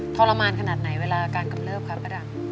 ทรมานขณะไหนเวลาการกำเลิฟครับพระดำ